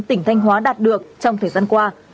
tỉnh thanh hóa đạt được trong thời gian qua